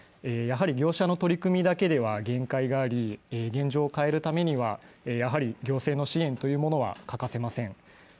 やはり業者の取り組みだけでは限界があり、現状を変えるためには、やはり行政の支援は欠かせません。